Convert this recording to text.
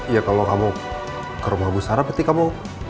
ya kalo kamu ke rumah bu sara berarti kamu